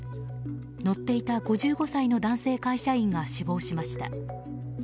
乗っていた５５歳の男性会社員が死亡しました。